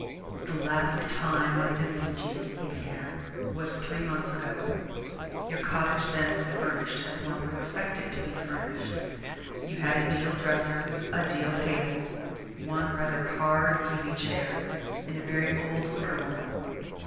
"The last time I visited you," he began, "was three months ago. Your cottage then was furnished as one would expect it to be furnished. You had a deal dresser, a deal table, one rather hard easy chair and a very old wicker one.